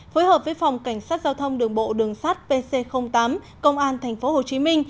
phối hợp với phòng cảnh sát giao thông đường bộ đường sát pc tám công an tp hcm